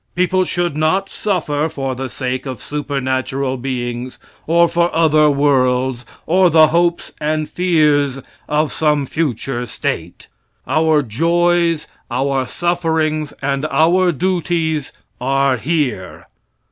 People should not suffer for the sake of supernatural beings or for other worlds or the hopes and fears of some future state. Our joys, our sufferings and our duties are here.